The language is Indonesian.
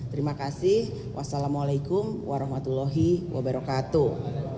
terima kasih wassalamualaikum warahmatullahi wabarakatuh